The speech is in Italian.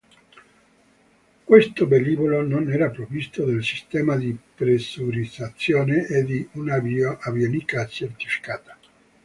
Questo velivolo non era provvisto del sistema di pressurizzazione e di un'avionica certificata.